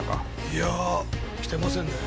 いや来てませんね。